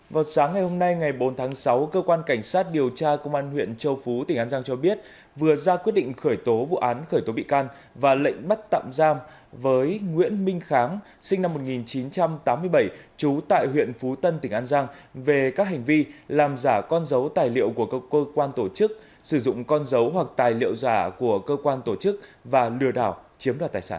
vào sáng ngày hôm nay ngày bốn tháng sáu cơ quan cảnh sát điều tra công an huyện châu phú tỉnh an giang cho biết vừa ra quyết định khởi tố vụ án khởi tố bị can và lệnh bắt tạm giam với nguyễn minh kháng sinh năm một nghìn chín trăm tám mươi bảy chú tại huyện phú tân tỉnh an giang về các hành vi làm giả con dấu tài liệu của cơ quan tổ chức sử dụng con dấu hoặc tài liệu giả của cơ quan tổ chức và lừa đảo chiếm đoạt tài sản